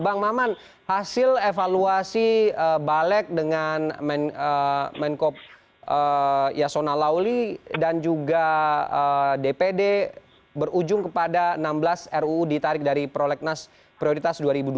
bang maman hasil evaluasi balik dengan menko yasona lauli dan juga dpd berujung kepada enam belas ruu ditarik dari prolegnas prioritas dua ribu dua puluh